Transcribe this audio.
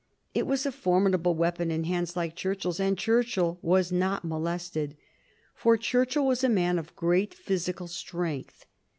It was a formidable weapon in hands like Churchill's, and Churchill was not molested. For Churchill was a man of great physical strength.